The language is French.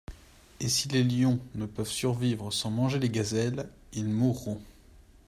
Et si les lions ne peuvent survivre sans manger les gazelles, ils mourront.